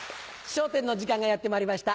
『笑点』の時間がやってまいりました。